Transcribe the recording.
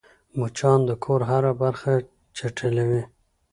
مچان د کور هره برخه چټلوي